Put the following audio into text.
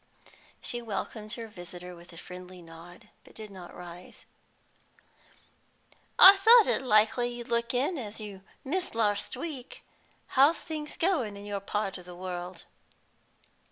She welcomed her visitor with a friendly nod, but did not rise. "I thought it likely you'd look in, as you missed larst week. How's things goin' in your part o' the world?"